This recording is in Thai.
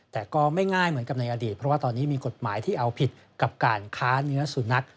แต่ก็ไม่ง่ายเหมือนกับในอดีตเพราะว่าตอนนี้มีกฎหมายที่เอาผิดกับการค้าเนื้อสุนัข